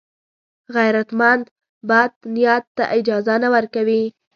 غیرتمند بد نیت ته اجازه نه ورکوي